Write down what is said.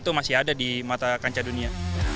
itu masih ada di mata kancah dunia